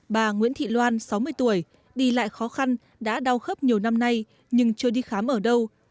bà nguyễn thị loan sáu mươi tuổi đi lại khó khăn đã đau khớp nhiều năm nay nhưng chưa đi khám ở đâu